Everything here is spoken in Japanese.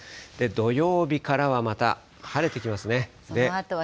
土曜日からはまた晴れてきますね。